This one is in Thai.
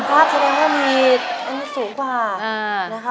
สำรวจด้วยนะครับแสดงว่ามีสูงกว่า